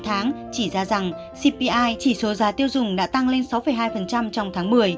ba tháng chỉ ra rằng cpi chỉ số giá tiêu dùng đã tăng lên sáu hai trong tháng một mươi